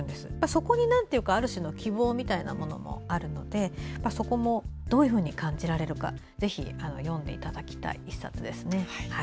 そこにある種の希望みたいなものもあるのでそこも、どういうふうに感じられるかぜひ読んでいただきたい１冊です。